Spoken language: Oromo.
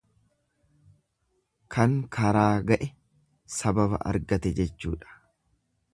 Kan karaa ga'e sababa argate jechuudha.